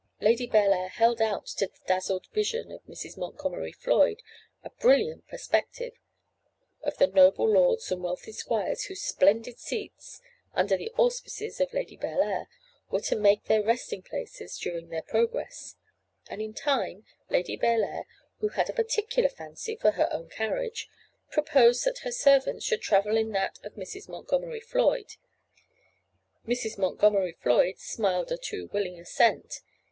Lady Bellair held out to the dazzled vision of Mrs. Montgomery Floyd a brilliant perspective of the noble lords and wealthy squires whose splendid seats, under the auspices of Lady Bellair, they were to make their resting places during their progress; and in time Lady Bellair, who had a particular fancy for her own carriage, proposed that her servants should travel in that of Mrs. Montgomery Floyd. Mrs. Montgomery Floyd smiled a too willing assent.